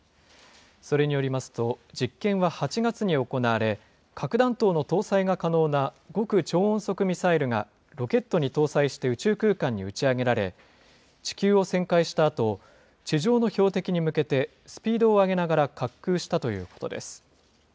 それによりますと、実験は８月に行われ、核弾頭の搭載が可能な極超音速ミサイルがロケットに搭載して宇宙空間に打ち上げられ、地球を旋回したあと、地上の標的に向けてスピードを上げながら滑空したということです。